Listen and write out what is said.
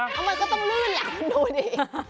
มันก็ต้องลื่นแหละดูดิ